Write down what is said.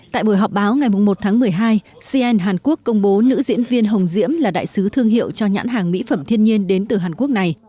tại buổi họp báo ngày một tháng một mươi hai cn hàn quốc công bố nữ diễn viên hồng diễm là đại sứ thương hiệu cho nhãn hàng mỹ phẩm thiên nhiên đến từ hàn quốc này